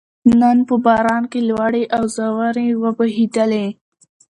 نن په باران کې لوړې او ځوړې وبهېدلې